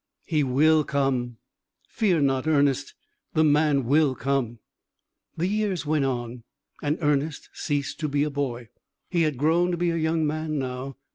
"He will come! Fear not, Ernest; the man will come!" The years went on, and Ernest ceased to be a boy. He had grown to be a young man now.